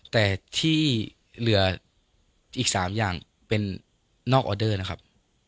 แต่ที่เหลืออีก๓อย่างเป็นนอกออเดอร์นะครับ